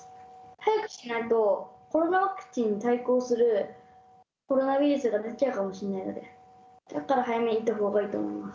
早くしないと、コロナワクチンに対抗するコロナウイルスが出来ちゃうかもしれないので、だから早めに打ったほうがいいと思います。